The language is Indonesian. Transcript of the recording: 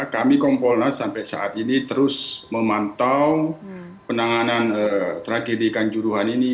kami kompolnas sampai saat ini terus memantau penanganan tragedi kanjuruhan ini